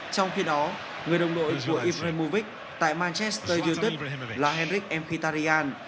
trong khi đó người đồng đội của ibrahimovic tại manchester yêu thức là henrikh mkhitaryan